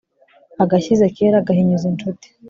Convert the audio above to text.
agashyize kera gahinyuza inshuti